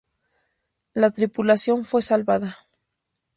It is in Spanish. La tripulación fue salvada.